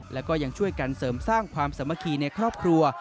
และก็ยังช่วยกันเสริมสร้างความสามัคคีในครอบครัว